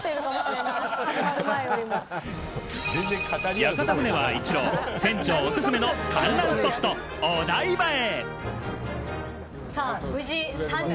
屋形船は一路、船長おすすめの観覧スポット・お台場へ。